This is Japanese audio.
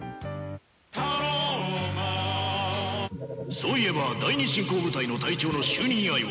そういえば第二侵攻部隊の隊長の就任祝いを。